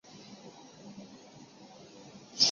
王熙凤是王子胜的女儿。